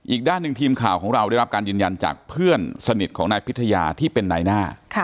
อีกด้านหนึ่งทีมข่าวของเราได้รับการยืนยันจากเพื่อนสนิทของนายพิทยาที่เป็นนายหน้า